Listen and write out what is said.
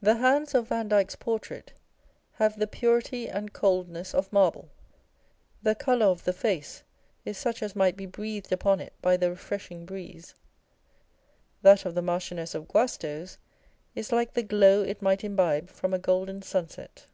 1 The hands of Vandyke's portrait have the purity and coldness of marble. The colour of the face is such as might be breathed upon it by the refreshing breeze ; that of the Marchioness of Guasto's is like the glow it might imbibe from a golden sunset.